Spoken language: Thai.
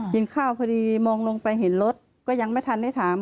กินข้าวพอดีมองลงไปเห็นรถก็ยังไม่ทันได้ถาม